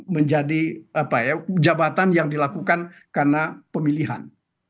menjadi jabatan yang dilakukan karena pemilihan